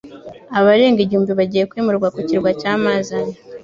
Abarenga igihumbi bagiye kwimurwa ku kirwa cya Mazane